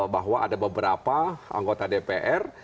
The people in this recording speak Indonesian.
pada beberapa anggota dpr